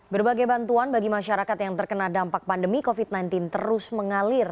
berbagai bantuan bagi masyarakat yang terkena dampak pandemi covid sembilan belas terus mengalir